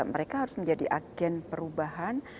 mereka harus menjadi agen perubahan